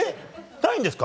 ないんですか？